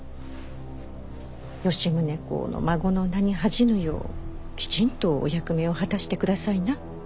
吉宗公の孫の名に恥じぬようきちんとお役目を果たして下さいな。